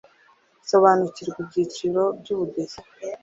Sobanukirwa ibyiciro. by 'ubudehe